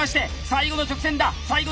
最後の直線だ！